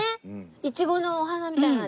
イチゴのお花みたいな味がする。